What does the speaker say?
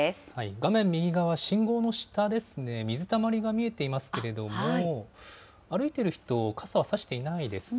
画面右側、信号の下ですね、水たまりが見えていますけれども、歩いている人、傘差していないですね。